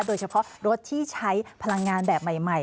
โดยเฉพาะรถที่ใช้พลังงานแบบใหม่